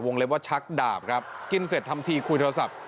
เล็บว่าชักดาบครับกินเสร็จทำทีคุยโทรศัพท์